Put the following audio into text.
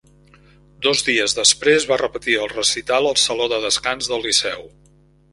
Dos dies després va repetir el recital al saló de descans del Liceu.